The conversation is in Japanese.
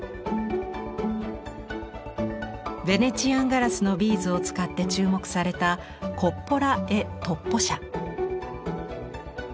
ヴェネチアンガラスのビーズを使って注目されたコッポラ・エ・トッポ社。